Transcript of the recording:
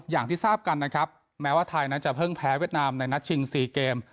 อย่างที่ทราบกันนะครับแม้ว่าไทยนั้นจะเพิ่งแพ้เวียดนามในนัดชิง๔เกม